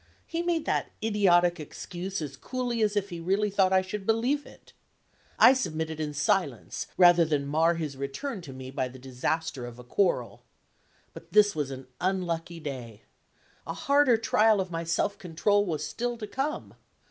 He made that idiotic excuse as coolly as if he really thought I should believe it. I submitted in silence, rather than mar his return to me by the disaster of a quarrel. But this was an unlucky day. A harder trial of my self control was still to come.